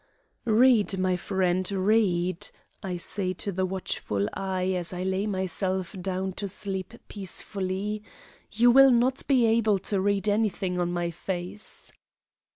"Read, my friend, read," I say to the watchful eye as I lay myself down to sleep peacefully. "You will not be able to read anything on my face!"